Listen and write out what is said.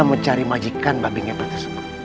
kamu cari majikan babi ngepet itu